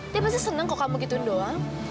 dia pasti seneng kalau kamu gituin doang